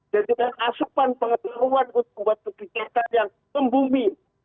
dan juga asupan pengetahuan untuk membuat kebijakan yang membumi